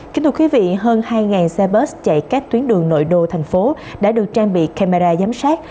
kính thưa quý vị hơn hai xe bớt chạy các tuyến đường nội đô thành phố đã được trang bị camera giám sát